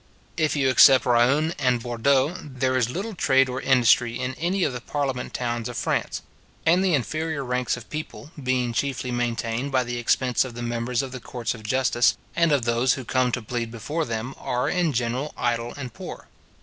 If you except Rouen and Bourdeaux, there is little trade or industry in any of the parliament towns of France; and the inferior ranks of people, being chiefly maintained by the expense of the members of the courts of justice, and of those who come to plead before them, are in general idle and poor.